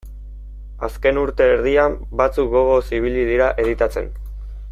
Azken urte erdian batzuk gogoz ibili dira editatzen.